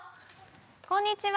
こんにちは。